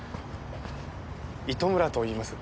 糸村といいます。